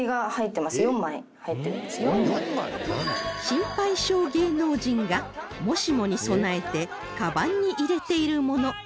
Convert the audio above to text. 心配性芸能人がもしもに備えてカバンに入れているもの